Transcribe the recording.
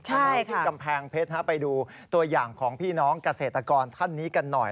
ที่กำแพงเพชรไปดูตัวอย่างของพี่น้องเกษตรกรท่านนี้กันหน่อย